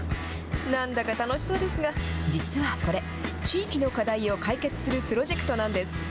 なんだか楽しそうですが、実はこれ、地域の課題を解決するプロジェクトなんです。